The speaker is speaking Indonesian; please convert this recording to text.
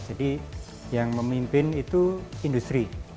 jadi yang memimpin itu industri